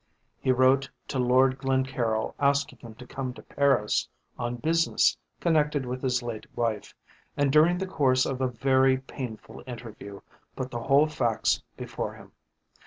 He wrote to Lord Glencaryll asking him to come to Paris on business connected with his late wife, and, during the course of a very painful interview, put the whole facts before him.